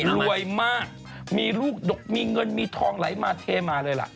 รวยมากมีลูกดกมีเงินมีทองไหลมาเทมาเลยล่ะ